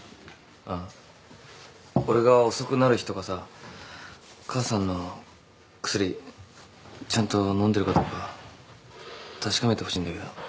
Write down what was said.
あっ俺が遅くなる日とかさ母さんの薬ちゃんと飲んでるかどうか確かめてほしいんだけど。